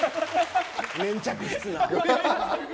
粘着質な。